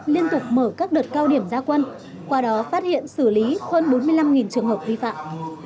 liên tục mở các đợt cao điểm gia quân qua đó phát hiện xử lý hơn bốn mươi năm trường hợp vi phạm